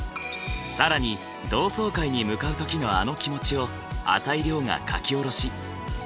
更に同窓会に向かう時のあの気持ちを朝井リョウが書き下ろし。